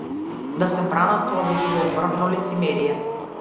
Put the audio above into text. Да се бранат, тоа би било врвно лицемерие.